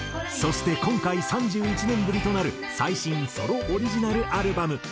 そして今回３１年ぶりとなる最新ソロオリジナルアルバム。